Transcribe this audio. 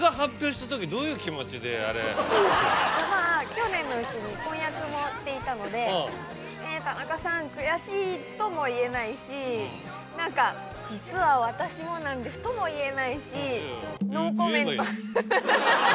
去年のうちに婚約もしていたので「田中さん悔しい！」とも言えないし何か「実は私もなんです」とも言えないし。